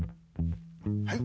はい？